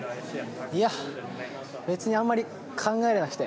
いや、別にあんまり考えられなくて。